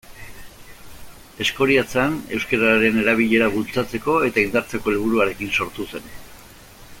Eskoriatzan euskararen erabilera bultzatzeko eta indartzeko helburuarekin sortu zen.